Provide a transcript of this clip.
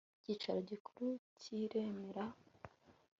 icyicaro gikuru cy i remera